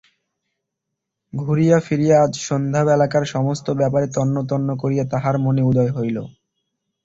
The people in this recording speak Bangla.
ঘুরিয়া ফিরিয়া আজ সন্ধ্যাবেলাকার সমস্ত ব্যাপারে তন্ন তন্ন করিয়া তাহার মনে উদয় হইল।